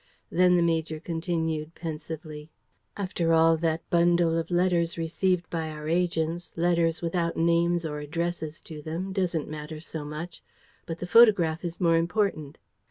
Then the major continued, pensively: "After all, that bundle of letters received by our agents, letters without names or addresses to them, doesn't matter so much. But the photograph is more important."